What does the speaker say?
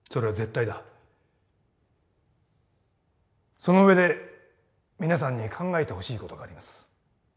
その上で皆さんに考えてほしいことがあります。